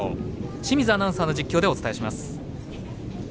清水アナウンサーの実況でお伝えします。